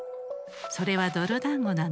それはどろだんごなの。